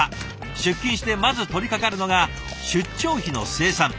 出勤してまず取りかかるのが出張費の精算。